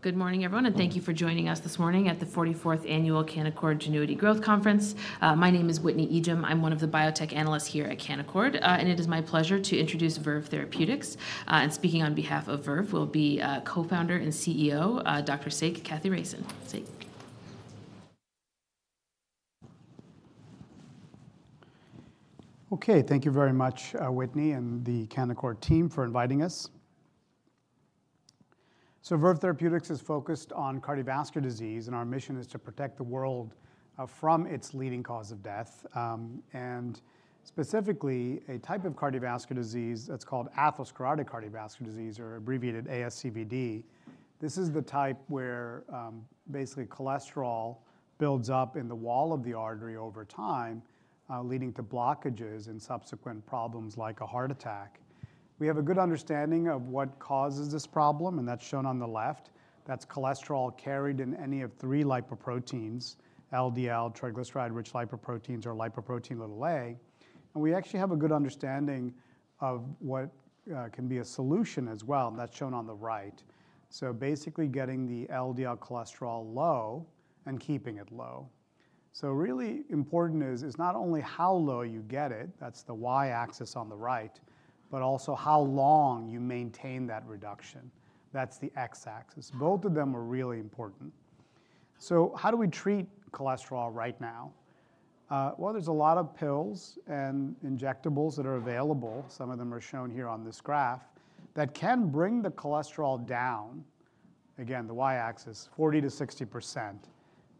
Good morning, everyone, and thank you for joining us this morning at the 44th Annual Canaccord Genuity Growth Conference. My name is Whitney Ijem. I'm one of the biotech analysts here at Canaccord. And it is my pleasure to introduce Verve Therapeutics. And speaking on behalf of Verve will be co-founder and CEO, Dr. Sekar Kathiresan. Sekar? Okay, thank you very much, Whitney, and the Canaccord team for inviting us. So Verve Therapeutics is focused on cardiovascular disease, and our mission is to protect the world from its leading cause of death, and specifically a type of cardiovascular disease that's called atherosclerotic cardiovascular disease, or abbreviated ASCVD. This is the type where basically cholesterol builds up in the wall of the artery over time, leading to blockages and subsequent problems, like a heart attack. We have a good understanding of what causes this problem, and that's shown on the left. That's cholesterol carried in any of three lipoproteins: LDL, triglyceride-rich lipoproteins, or lipoprotein (a). And we actually have a good understanding of what can be a solution as well, and that's shown on the right. So basically, getting the LDL cholesterol low and keeping it low. So really important is not only how low you get it, that's the Y-axis on the right, but also how long you maintain that reduction. That's the X-axis. Both of them are really important. So how do we treat cholesterol right now? Well, there's a lot of pills and injectables that are available, some of them are shown here on this graph, that can bring the cholesterol down. Again, the Y-axis, 40%-60%.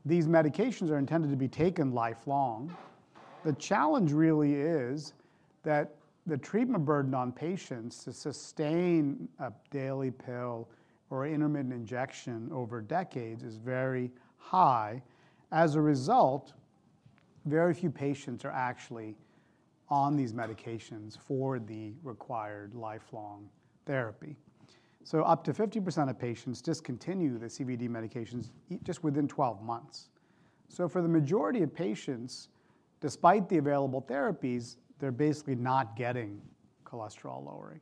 These medications are intended to be taken lifelong. The challenge really is that the treatment burden on patients to sustain a daily pill or intermittent injection over decades is very high. As a result, very few patients are actually on these medications for the required lifelong therapy. So up to 50% of patients discontinue the CVD medications just within 12 months. So for the majority of patients, despite the available therapies, they're basically not getting cholesterol lowering,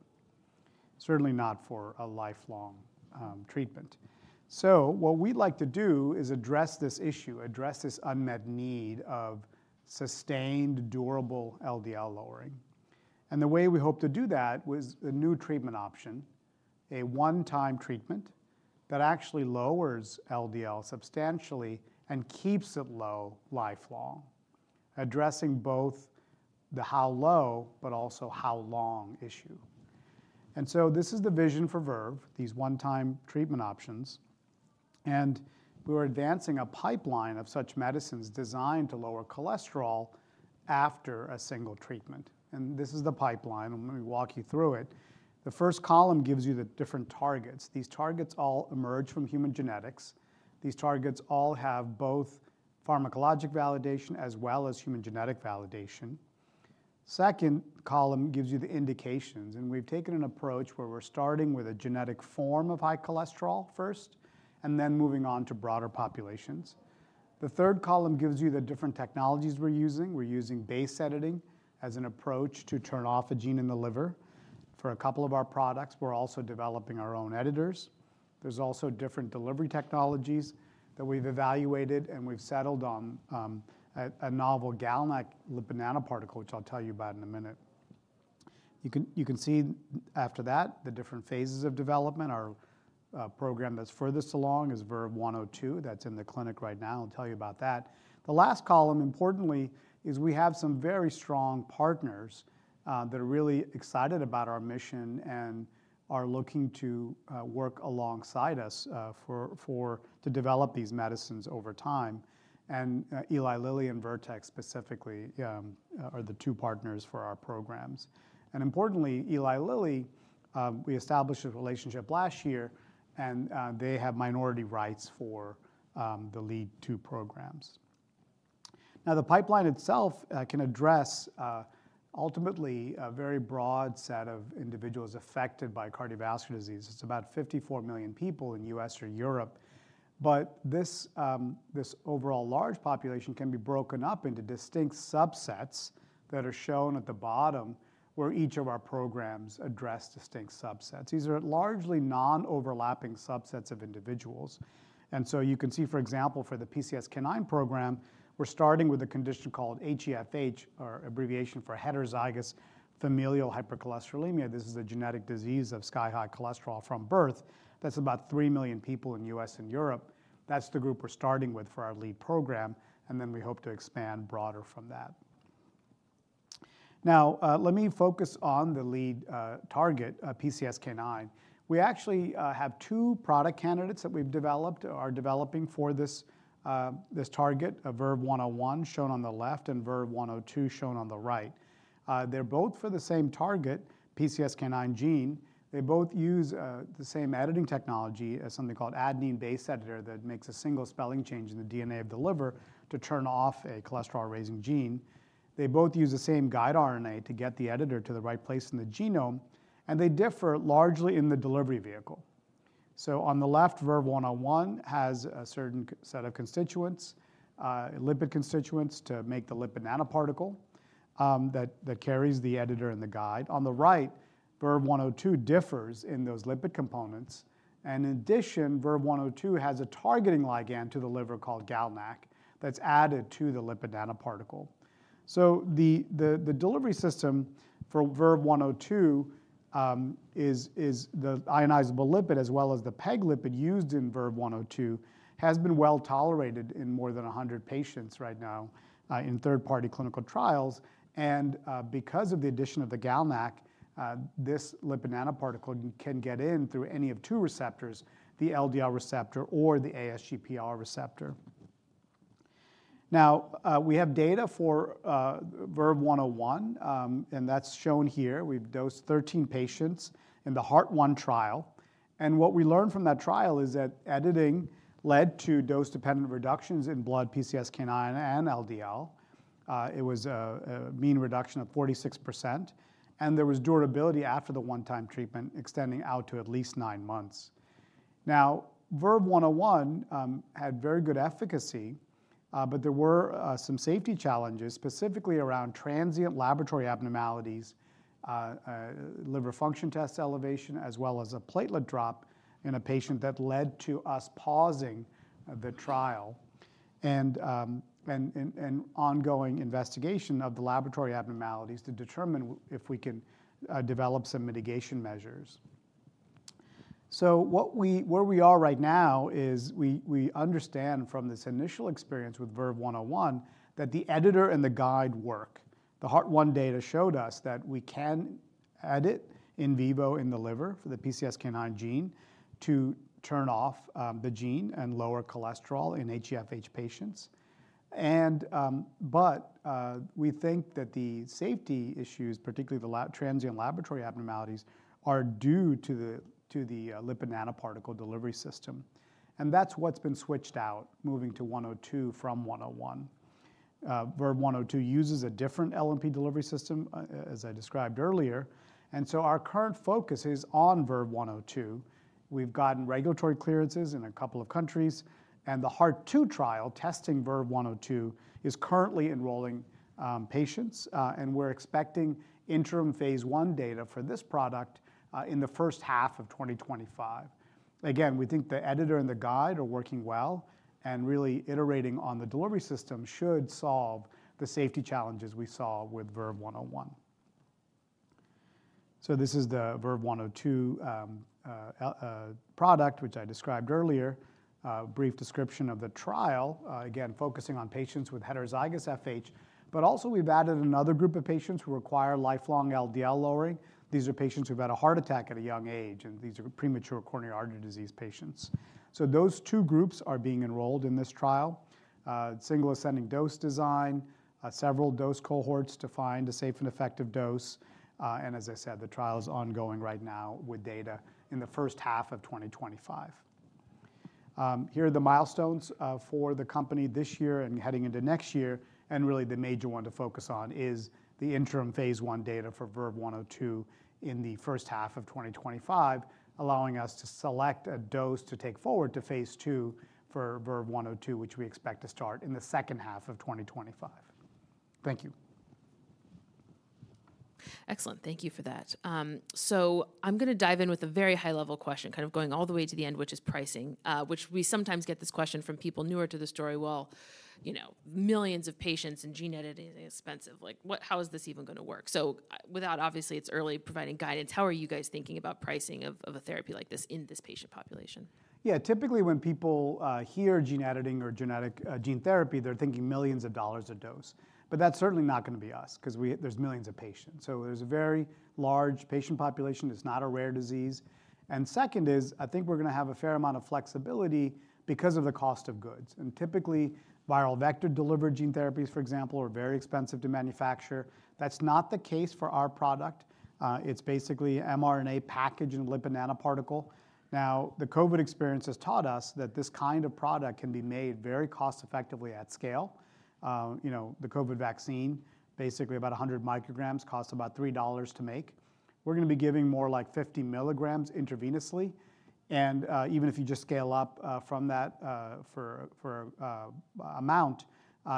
certainly not for a lifelong treatment. So what we'd like to do is address this issue, address this unmet need of sustained, durable LDL lowering. And the way we hope to do that was a new treatment option, a one-time treatment that actually lowers LDL substantially and keeps it low lifelong, addressing both the how low, but also how long issue. And so this is the vision for Verve, these one-time treatment options, and we're advancing a pipeline of such medicines designed to lower cholesterol after a single treatment. And this is the pipeline. Let me walk you through it. The first column gives you the different targets. These targets all emerge from human genetics. These targets all have both pharmacologic validation as well as human genetic validation. Second column gives you the indications, and we've taken an approach where we're starting with a genetic form of high cholesterol first, and then moving on to broader populations. The third column gives you the different technologies we're using. We're using base editing as an approach to turn off a gene in the liver. For a couple of our products, we're also developing our own editors. There's also different delivery technologies that we've evaluated, and we've settled on a novel GalNAc lipid nanoparticle, which I'll tell you about in a minute. You can see after that, the different phases of development. Our program that's furthest along is VERVE-102. That's in the clinic right now. I'll tell you about that. The last column, importantly, is we have some very strong partners that are really excited about our mission and are looking to work alongside us to develop these medicines over time. And Eli Lilly and Vertex specifically are the two partners for our programs. And importantly, Eli Lilly we established a relationship last year, and they have minority rights for the lead two programs. Now, the pipeline itself can address ultimately a very broad set of individuals affected by cardiovascular disease. It's about 54 million people in U.S. or Europe. But this this overall large population can be broken up into distinct subsets that are shown at the bottom, where each of our programs address distinct subsets. These are largely non-overlapping subsets of individuals. And so you can see, for example, for the PCSK9 program, we're starting with a condition called HeFH, or abbreviation for heterozygous familial hypercholesterolemia. This is a genetic disease of sky-high cholesterol from birth. That's about three million people in U.S. and Europe. That's the group we're starting with for our lead program, and then we hope to expand broader from that. Now, let me focus on the lead target, PCSK9. We actually have two product candidates that we've developed or are developing for this target, VERVE-101, shown on the left, and VERVE-102, shown on the right. They're both for the same target, PCSK9 gene. They both use the same editing technology as something called adenine base editor that makes a single spelling change in the DNA of the liver to turn off a cholesterol-raising gene. They both use the same guide RNA to get the editor to the right place in the genome, and they differ largely in the delivery vehicle. So on the left, VERVE-101 has a certain set of constituents, lipid constituents, to make the lipid nanoparticle that carries the editor and the guide. On the right, VERVE-102 differs in those lipid components. And in addition, VERVE-102 has a targeting ligand to the liver called GalNAc that's added to the lipid nanoparticle. So the delivery system for VERVE-102 is the ionizable lipid, as well as the PEG lipid used in VERVE-102, has been well tolerated in more than 100 patients right now in third-party clinical trials. And because of the addition of the GalNAc, this lipid nanoparticle can get in through any of two receptors: the LDL receptor or the ASGPR receptor. Now, we have data for VERVE-101, and that's shown here. We've dosed 13 patients in the Heart-1 trial, and what we learned from that trial is that editing led to dose-dependent reductions in blood PCSK9 and LDL. It was a mean reduction of 46%, and there was durability after the one-time treatment, extending out to at least 9 months. Now, VERVE-101 had very good efficacy, but there were some safety challenges, specifically around transient laboratory abnormalities, liver function test elevation, as well as a platelet drop in a patient that led to us pausing the trial and ongoing investigation of the laboratory abnormalities to determine if we can develop some mitigation measures. So where we are right now is we understand from this initial experience with VERVE-101, that the editor and the guide work. The Heart-1 data showed us that we can edit in vivo in the liver for the PCSK9 gene to turn off the gene and lower cholesterol in HeFH patients. But we think that the safety issues, particularly the transient laboratory abnormalities, are due to the lipid nanoparticle delivery system, and that's what's been switched out, moving to 102 from 101. VERVE-102 uses a different LNP delivery system, as I described earlier, and so our current focus is on VERVE-102. We've gotten regulatory clearances in a couple of countries, and the Heart-2 trial, testing VERVE-102, is currently enrolling patients, and we're expecting interim phase I data for this product in the first half of 2025. Again, we think the editor and the guide are working well, and really iterating on the delivery system should solve the safety challenges we saw with VERVE-101. So this is the VERVE-102 product, which I described earlier. A brief description of the trial, again, focusing on patients with heterozygous FH, but also we've added another group of patients who require lifelong LDL lowering. These are patients who've had a heart attack at a young age, and these are premature coronary artery disease patients. So those two groups are being enrolled in this trial. Single-ascending dose design, several dose cohorts to find a safe and effective dose, and as I said, the trial is ongoing right now with data in the first half of 2025. Here are the milestones for the company this year and heading into next year, and really, the major one to focus on is the interim phase I data for VERVE-102 in the first half of 2025, allowing us to select a dose to take forward to phase II for VERVE-102, which we expect to start in the second half of 2025. Thank you. Excellent. Thank you for that. So I'm gonna dive in with a very high-level question, kind of going all the way to the end, which is pricing, which we sometimes get this question from people newer to the story. "Well, you know, millions of patients, and gene editing is expensive. Like, what-- how is this even gonna work?" So without obviously, it's early providing guidance, how are you guys thinking about pricing of, of a therapy like this in this patient population? Yeah, typically, when people hear gene editing or genetic gene therapy, they're thinking millions of dollars a dose. But that's certainly not gonna be us 'cause we, there's millions of patients, so there's a very large patient population. It's not a rare disease. And second is, I think we're gonna have a fair amount of flexibility because of the cost of goods, and typically, viral vector-delivered gene therapies, for example, are very expensive to manufacture. That's not the case for our product. It's basically mRNA package and lipid nanoparticle. Now, the COVID experience has taught us that this kind of product can be made very cost-effectively at scale. You know, the COVID vaccine, basically about 100 micrograms, costs about $3 to make. We're gonna be giving more like 50 milligrams intravenously, and even if you just scale up from that for amount,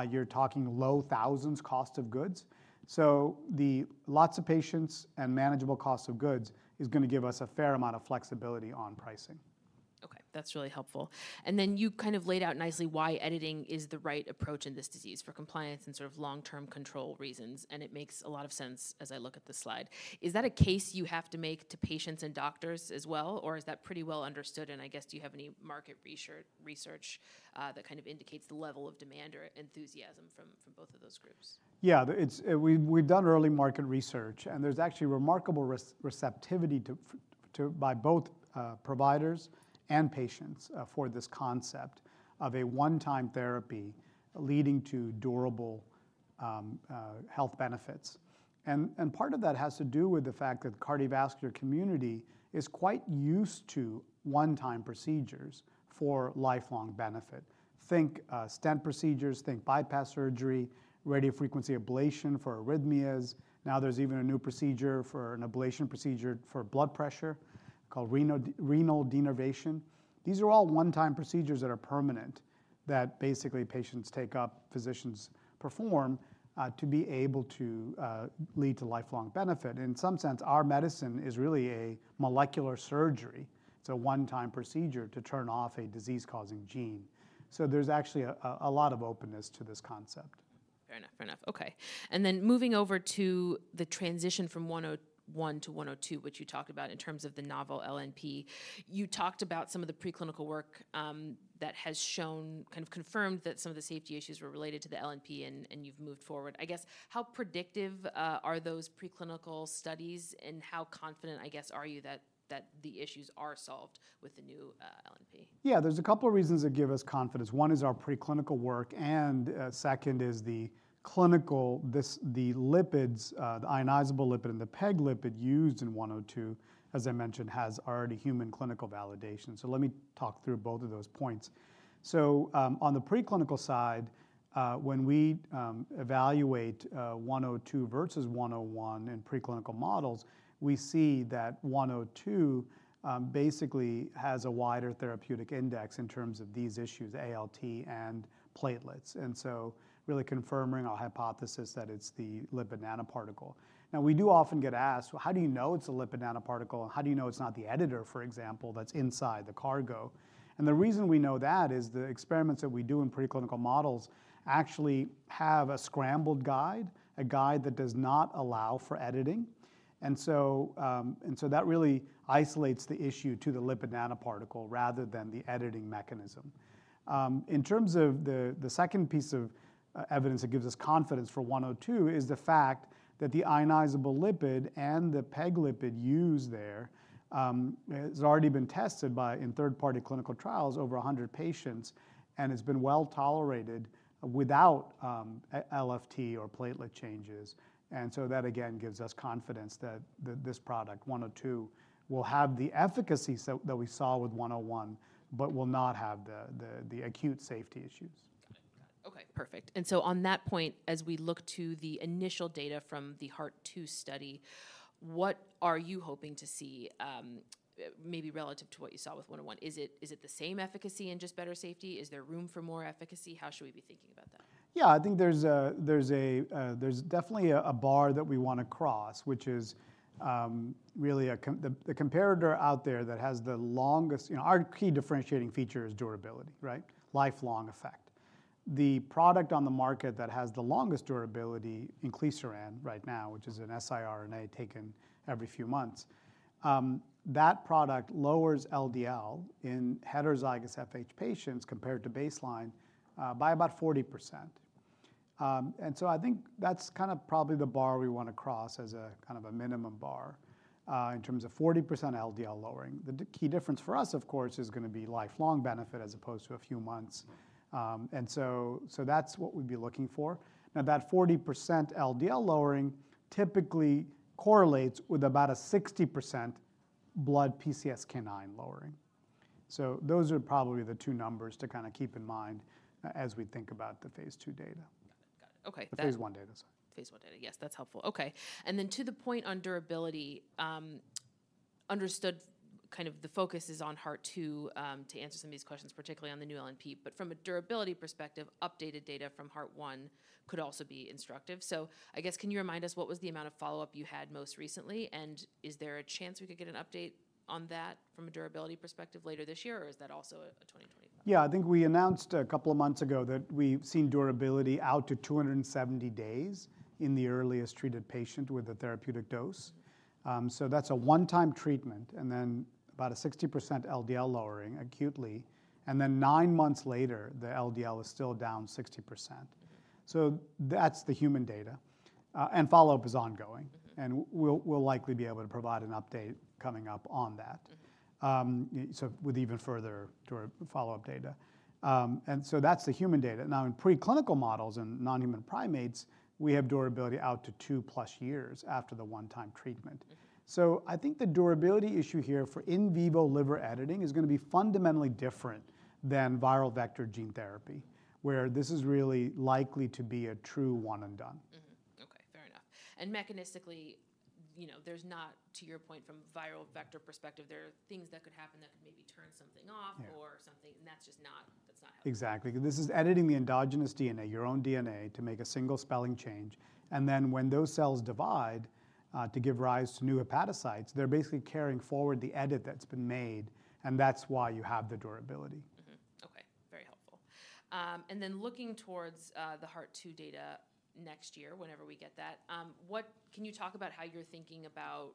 you're talking low thousands cost of goods. So the lots of patients and manageable cost of goods is gonna give us a fair amount of flexibility on pricing. Okay, that's really helpful. And then you kind of laid out nicely why editing is the right approach in this disease, for compliance and sort of long-term control reasons, and it makes a lot of sense as I look at the slide. Is that a case you have to make to patients and doctors as well, or is that pretty well understood, and I guess, do you have any market research that kind of indicates the level of demand or enthusiasm from, from both of those groups? Yeah, it's. We've done early market research, and there's actually remarkable receptivity to, by both providers and patients for this concept of a one-time therapy leading to durable health benefits. And part of that has to do with the fact that the cardiovascular community is quite used to one-time procedures for lifelong benefit. Think stent procedures, think bypass surgery, radiofrequency ablation for arrhythmias. Now there's even a new procedure for an ablation procedure for blood pressure called renal denervation. These are all one-time procedures that are permanent, that basically patients take up, physicians perform to be able to lead to lifelong benefit. In some sense, our medicine is really a molecular surgery. It's a one-time procedure to turn off a disease-causing gene. So there's actually a lot of openness to this concept. Fair enough. Fair enough. Okay, and then moving over to the transition from 101 to 102, which you talked about in terms of the novel LNP. You talked about some of the preclinical work that has shown, kind of confirmed that some of the safety issues were related to the LNP, and, and you've moved forward. I guess, how predictive are those preclinical studies, and how confident, I guess, are you that, that the issues are solved with the new LNP? Yeah, there's a couple of reasons that give us confidence. One is our preclinical work, and, second is the clinical, the lipids, the ionizable lipid and the PEG lipid used in 102, as I mentioned, has already human clinical validation. So let me talk through both of those points. So, on the preclinical side, when we, evaluate, 102 versus 101 in preclinical models, we see that 102, basically has a wider therapeutic index in terms of these issues, ALT and platelets, and so really confirming our hypothesis that it's the lipid nanoparticle. Now, we do often get asked: Well, how do you know it's a lipid nanoparticle? How do you know it's not the editor, for example, that's inside the cargo? The reason we know that is the experiments that we do in preclinical models actually have a scrambled guide, a guide that does not allow for editing. So that really isolates the issue to the lipid nanoparticle rather than the editing mechanism. In terms of the second piece of evidence that gives us confidence for 102 is the fact that the ionizable lipid and the PEG lipid used there has already been tested in third-party clinical trials, over 100 patients, and has been well-tolerated without LFT or platelet changes. So that, again, gives us confidence that this product, 102, will have the efficacy so that we saw with 101 but will not have the acute safety issues. Got it. Okay, perfect. And so on that point, as we look to the initial data from the Heart-2 study, what are you hoping to see, maybe relative to what you saw with 101? Is it, is it the same efficacy and just better safety? Is there room for more efficacy? How should we be thinking about that? Yeah, I think there's definitely a bar that we wanna cross, which is really a comparator out there that has the longest... You know, our key differentiating feature is durability, right? Lifelong effect. The product on the market that has the longest durability, Inclisiran, right now, which is an siRNA taken every few months, that product lowers LDL in heterozygous FH patients compared to baseline, by about 40%. And so I think that's kind of probably the bar we want to cross as a kind of a minimum bar, in terms of 40% LDL lowering. The key difference for us, of course, is gonna be lifelong benefit as opposed to a few months. So that's what we'd be looking for. Now, that 40% LDL lowering typically correlates with about a 60% blood PCSK9 lowering. So those are probably the two numbers to kind of keep in mind, as we think about the phase II data. Got it. Okay, The phase I data, sorry. phase I data. Yes, that's helpful. Okay, and then to the point on durability, understood kind of the focus is on Heart-2, to answer some of these questions, particularly on the new LNP. But from a durability perspective, updated data from Heart-1 could also be instructive. So I guess, can you remind us what was the amount of follow-up you had most recently, and is there a chance we could get an update on that from a durability perspective later this year, or is that also a 2021? Yeah, I think we announced a couple of months ago that we've seen durability out to 270 days in the earliest treated patient with a therapeutic dose. So that's a one-time treatment, and then about a 60% LDL lowering acutely, and then 9 months later, the LDL is still down 60%. So that's the human data, and follow-up is ongoing, and we'll likely be able to provide an update coming up on that. So with even further follow-up data. And so that's the human data. Now, in preclinical models, in non-human primates, we have durability out to 2+ years after the one-time treatment. So I think the durability issue here for in vivo liver editing is gonna be fundamentally different than viral vector gene therapy, where this is really likely to be a true one and done. Mm-hmm. Okay, fair enough. And mechanistically, you know, there's not, to your point, from a viral vector perspective, there are things that could happen that could maybe turn something off- Yeah... or something, and that's just not, that's not happening. Exactly. This is editing the endogenous DNA, your own DNA, to make a single spelling change, and then when those cells divide, to give rise to new hepatocytes, they're basically carrying forward the edit that's been made, and that's why you have the durability. Mm-hmm. Okay, very helpful. And then looking towards the Heart-2 data next year, whenever we get that, what... Can you talk about how you're thinking about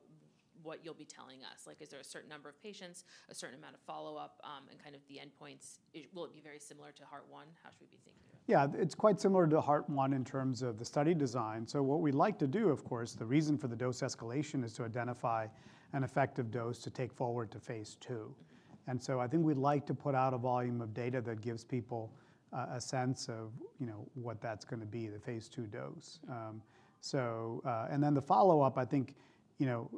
what you'll be telling us? Like, is there a certain number of patients, a certain amount of follow-up, and kind of the endpoints? Will it be very similar to Heart-1? How should we be thinking about it? Yeah, it's quite similar to Heart-1 in terms of the study design. So what we'd like to do, of course, the reason for the dose escalation is to identify an effective dose to take forward to phase II. So I think we'd like to put out a volume of data that gives people a sense of, you know, what that's gonna be, the phase II dose. So and then the follow-up, I think, you know,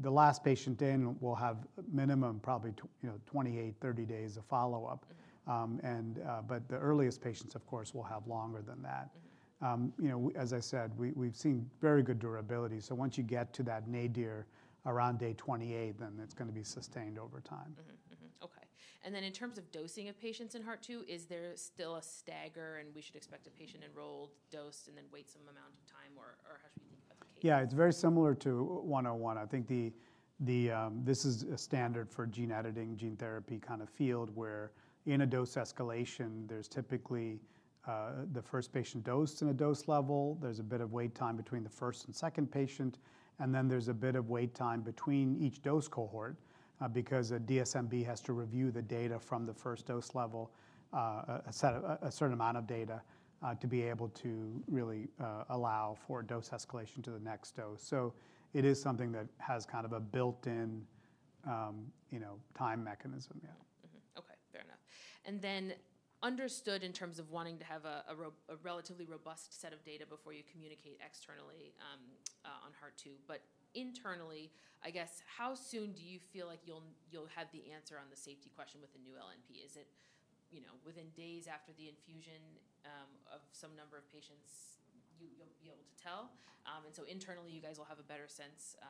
the last patient in will have minimum probably you know, 28, 30 days of follow-up. And but the earliest patients, of course, will have longer than that. You know, as I said, we've seen very good durability, so once you get to that nadir around day 28, then it's gonna be sustained over time.... And then in terms of dosing of patients in Heart-2, is there still a stagger, and we should expect a patient enrolled dose and then wait some amount of time? Or, how should we think of the case? Yeah, it's very similar to 101. I think this is a standard for gene editing, gene therapy kind of field, where in a dose escalation, there's typically the first patient dose in a dose level. There's a bit of wait time between the first and second patient, and then there's a bit of wait time between each dose cohort, because a DSMB has to review the data from the first dose level, a certain amount of data, to be able to really allow for dose escalation to the next dose. So it is something that has kind of a built-in, you know, time mechanism. Yeah. Mm-hmm. Okay, fair enough. Understood in terms of wanting to have a relatively robust set of data before you communicate externally on Heart-2, but internally, I guess, how soon do you feel like you'll have the answer on the safety question with the new LNP? Is it, you know, within days after the infusion of some number of patients, you'll be able to tell? And so internally, you guys will have a better sense,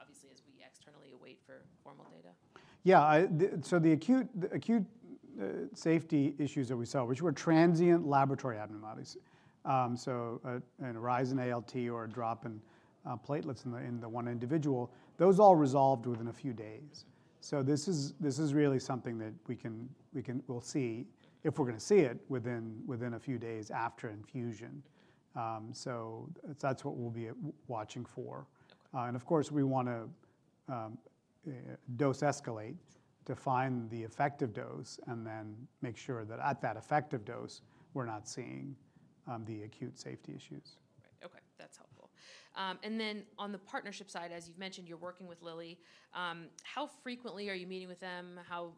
obviously, as we externally await for formal data. Yeah, so the acute safety issues that we saw, which were transient laboratory abnormalities, so a rise in ALT or a drop in platelets in the one individual, those all resolved within a few days. So this is really something that we'll see if we're gonna see it within a few days after infusion. So that's what we'll be watching for. Okay. Of course, we wanna dose escalate to find the effective dose and then make sure that at that effective dose, we're not seeing the acute safety issues. Right. Okay, that's helpful. And then on the partnership side, as you've mentioned, you're working with Lilly. How frequently are you meeting with them? How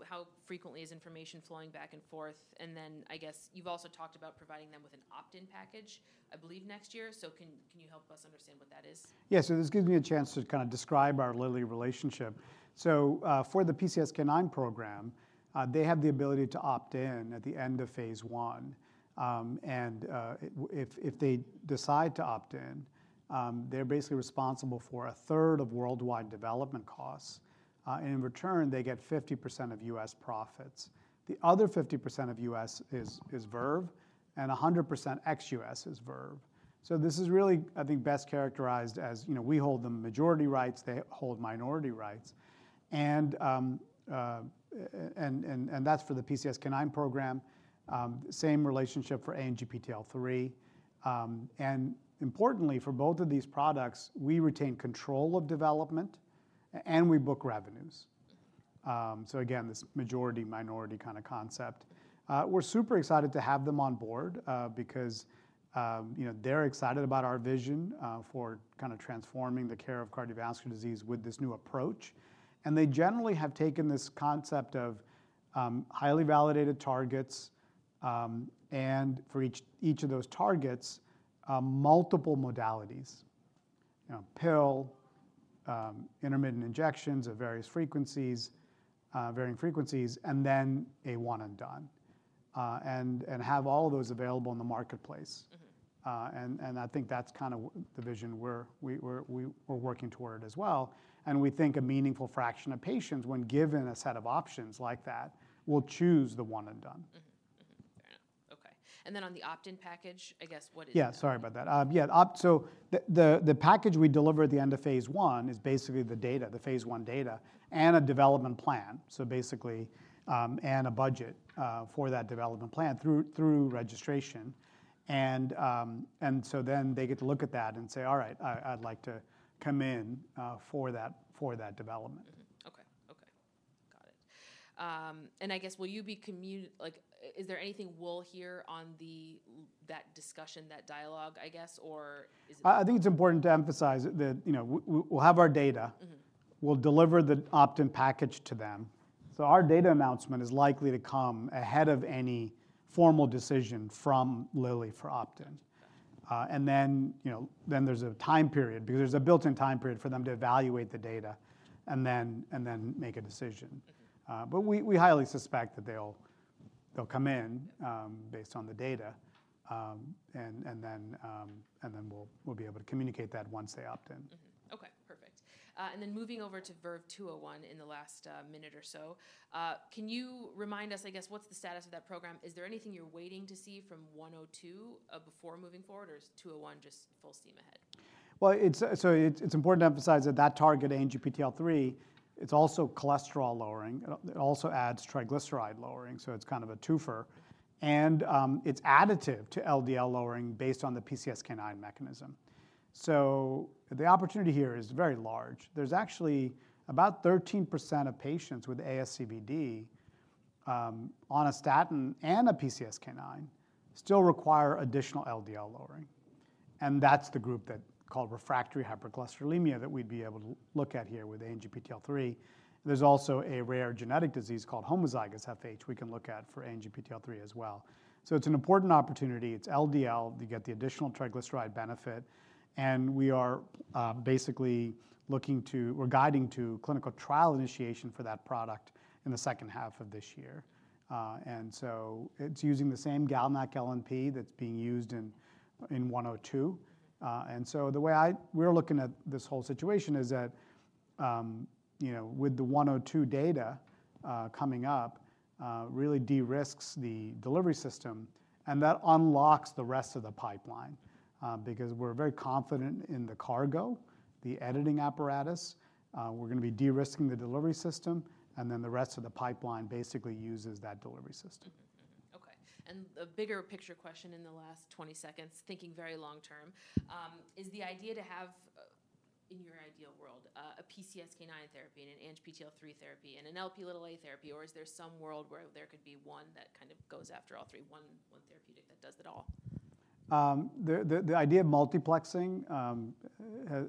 frequently is information flowing back and forth? And then I guess you've also talked about providing them with an opt-in package, I believe, next year. So can you help us understand what that is? Yeah, so this gives me a chance to kind of describe our Lilly relationship. So, for the PCSK9 program, they have the ability to opt in at the end of phase I. And, if they decide to opt in, they're basically responsible for a third of worldwide development costs. In return, they get 50% of U.S. profits. The other 50% of U.S. is Verve, and 100% ex-U.S. is Verve. So this is really, I think, best characterized as, you know, we hold the majority rights, they hold minority rights, and that's for the PCSK9 program. Same relationship for ANGPTL3. And importantly, for both of these products, we retain control of development, and we book revenues. So again, this majority-minority kind of concept. We're super excited to have them on board, because, you know, they're excited about our vision, for kind of transforming the care of cardiovascular disease with this new approach. And they generally have taken this concept of, highly validated targets, and for each of those targets, multiple modalities. You know, pill, intermittent injections at various frequencies, varying frequencies, and then a one and done, and have all of those available in the marketplace. Mm-hmm. I think that's kind of the vision we're working toward as well, and we think a meaningful fraction of patients, when given a set of options like that, will choose the one and done. Mm-hmm. Mm-hmm. Fair enough. Okay, and then on the opt-in package, I guess, what is it? Yeah, sorry about that. So the package we deliver at the end of phase I is basically the data, the phase I data, and a development plan. So basically, and a budget for that development plan through registration. So then they get to look at that and say, "All right, I'd like to come in for that development. Mm-hmm. Okay, okay, got it. And I guess, like, is there anything we'll hear on the—that discussion, that dialogue, I guess, or is it? I think it's important to emphasize that, you know, we'll have our data. Mm-hmm. We'll deliver the opt-in package to them. So our data announcement is likely to come ahead of any formal decision from Lilly for opt-in. Got it. And then, you know, then there's a time period, because there's a built-in time period for them to evaluate the data and then, and then make a decision. Mm-hmm. But we highly suspect that they'll come in, based on the data. And then we'll be able to communicate that once they opt-in. Mm-hmm. Okay, perfect. And then moving over to VERVE-201 in the last minute or so, can you remind us, I guess, what's the status of that program? Is there anything you're waiting to see from 102 before moving forward, or is 201 just full steam ahead? Well, it's important to emphasize that that target, ANGPTL3, it's also cholesterol-lowering. It also adds triglyceride lowering, so it's kind of a twofer, and it's additive to LDL lowering based on the PCSK9 mechanism. So the opportunity here is very large. There's actually about 13% of patients with ASCVD on a statin and a PCSK9 still require additional LDL lowering, and that's the group called refractory hypercholesterolemia that we'd be able to look at here with ANGPTL3. There's also a rare genetic disease called homozygous FH we can look at for ANGPTL3 as well. So it's an important opportunity. It's LDL, you get the additional triglyceride benefit, and we are basically looking to, we're guiding to clinical trial initiation for that product in the second half of this year. And so it's using the same GalNAc-LNP that's being used in 102. And so the way we're looking at this whole situation is that, you know, with the 102 data coming up, really de-risks the delivery system, and that unlocks the rest of the pipeline. Because we're very confident in the cargo, the editing apparatus, we're gonna be de-risking the delivery system, and then the rest of the pipeline basically uses that delivery system. Mm-hmm. Okay, and a bigger picture question in the last 20 seconds, thinking very long term, is the idea to have, in your ideal world, a PCSK9 therapy and an ANGPTL3 therapy and an Lp(a) therapy, or is there some world where there could be one that kind of goes after all three, one therapeutic that does it all? The idea of multiplexing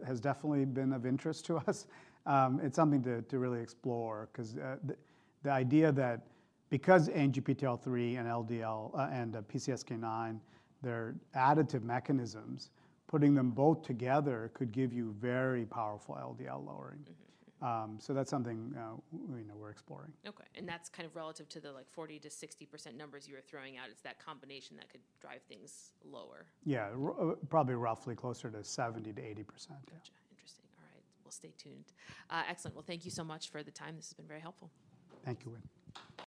has definitely been of interest to us. It's something to really explore, 'cause the idea that because ANGPTL3 and LDL and PCSK9, they're additive mechanisms, putting them both together could give you very powerful LDL lowering. Mm-hmm. That's something we know we're exploring. Okay, and that's kind of relative to the, like, 40%-60% numbers you were throwing out. It's that combination that could drive things lower? Yeah, probably roughly closer to 70%-80%. Yeah. Gotcha. Interesting. All right. We'll stay tuned. Excellent. Well, thank you so much for the time. This has been very helpful. Thank you, Lynn.